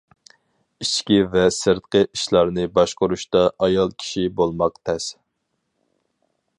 ئىچكى ۋە سىرتقى ئىشلارنى باشقۇرۇشتا ئايال كىشى بولماق تەس.